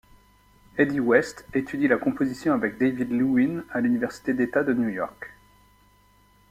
Hedy West étudie la composition avec David Lewin à l'Université d'État de New York.